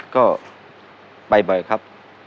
ก็ไปบ่อยครับ